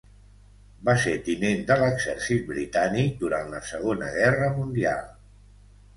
Va ser tinent de l'exèrcit britànic durant la Segona Guerra mundial.